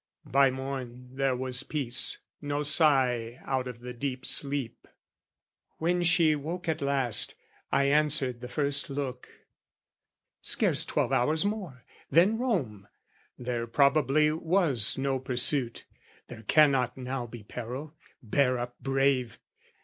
By morn, there was peace, no sigh Out of the deep sleep. When she woke at last, I answered the first look "Scarce twelve hours more, "Then, Rome! There probably was no pursuit, "There cannot now be peril: bear up brave!